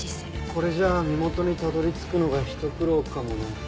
これじゃあ身元にたどり着くのがひと苦労かもね。